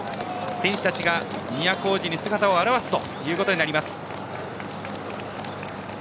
選手たちが都大路に姿を現すということになります。